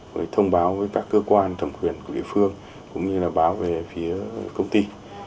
rồi thông báo với các cơ quan thẩm quyền của địa phương cũng như là báo về phía công ty